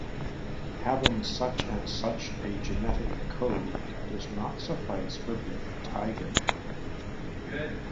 Having such and such a genetic code does not suffice for being a tiger.